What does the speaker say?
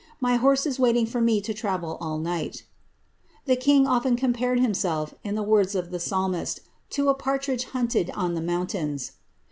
My horse is ; for me to tnvel all night' The king often compared hunssl^ words of the psahnist, ^ to a partridge hunted on the mountains.'